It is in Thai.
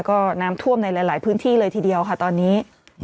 ก็น้ำท่วมในหลายพื้นที่เลยทีเดียวค่ะตอนนี้